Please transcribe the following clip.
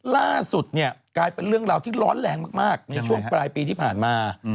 ล่าสุดเนี่ยกลายเป็นเรื่องราวที่ร้อนแรงมากในช่วงปลายปีที่ผ่านมา